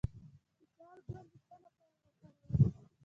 د دال ګل د څه لپاره وکاروم؟